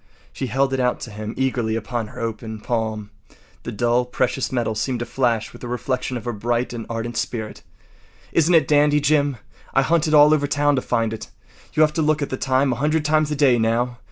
She held it out to him eagerly upon her open palm. The dull precious metal seemed to flash with a reflection of her bright and ardent spirit. “Isn’t it a dandy, Jim? I hunted all over town to find it. You’ll have to look at the time a hundred times a day now.